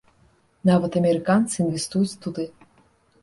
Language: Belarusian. Нават амерыканцы інвестуюць туды.